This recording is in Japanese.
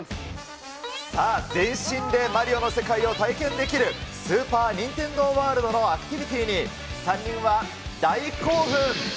さあ、全身でマリオの世界を体験できる、スーパー・ニンテンドー・ワールドのアクティビティーに、３人は大興奮。